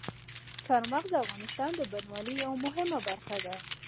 چار مغز د افغانستان د بڼوالۍ یوه مهمه برخه ده.